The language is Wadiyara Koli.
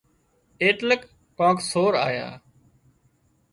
ايٽليڪ ڪانڪ سور آيا